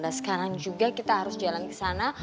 dan sekarang juga kita harus jalan ke sana